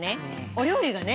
お料理がね